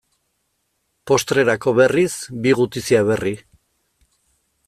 Postrerako berriz, bi gutizia berri.